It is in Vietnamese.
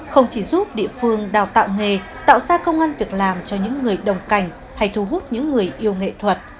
không chỉ giúp địa phương đào tạo nghề tạo ra công an việc làm cho những người đồng cảnh hay thu hút những người yêu nghệ thuật